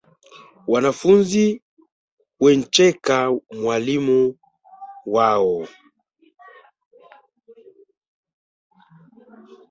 Wanafunzi wencheka mwalimu wao